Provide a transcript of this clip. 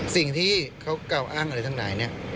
สิ่งที่เขากล่าวอ้างอะไรทั้งหลายเนี่ย